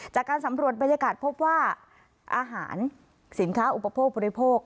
จากการสำรวจบรรยากาศพบว่าอาหารสินค้าอุปโภคบริโภค